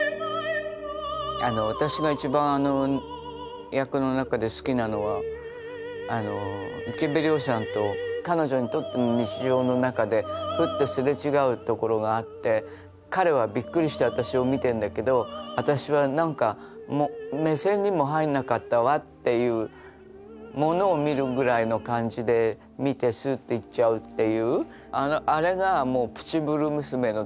私が一番あの役の中で好きなのは池部良さんと彼女にとっての日常の中でふっとすれ違うところがあって彼はびっくりして私を見てんだけど私は何かもう目線にも入んなかったわっていうものを見るぐらいの感じで見てスッて行っちゃうっていう。